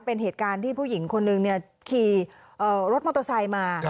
เป็นเหตุการณ์ที่ผู้หญิงคนหนึ่งขี่รถมอเตอร์ไซค์มา